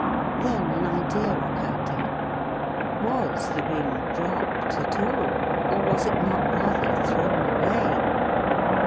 Then an idea occurred to him. Was the ring dropped at all ? or was it not rather thrown away